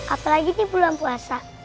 apalagi di bulan puasa